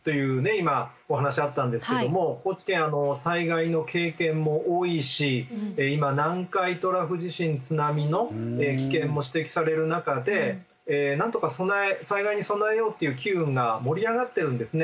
今お話あったんですけども高知県災害の経験も多いし今南海トラフ地震津波の危険も指摘される中でなんとか災害に備えようという機運が盛り上がってるんですね。